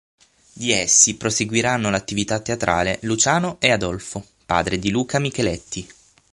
Di essi proseguiranno l'attività teatrale Luciano e Adolfo, padre di Luca Micheletti.